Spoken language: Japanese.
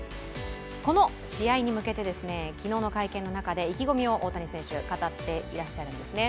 この試合に向けて昨日の会見の中で意気込みを大谷選手、語ってらっしゃるんですね。